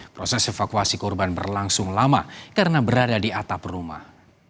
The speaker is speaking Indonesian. proses evakuasi korban berlangsung lama karena berada di atap rumah